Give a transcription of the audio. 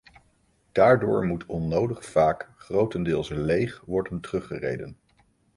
Daardoor moet onnodig vaak grotendeels leeg worden teruggereden.